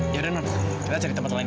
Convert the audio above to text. ya ada nun kita cari tempat lain yuk